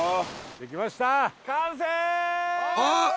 出来ました、完成！